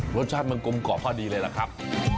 รสชาติมันกลมกรอบพอดีเลยล่ะครับ